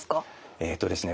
えっとですね